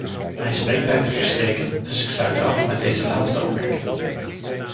Mijn spreektijd is verstreken dus ik sluit af met deze laatste opmerking.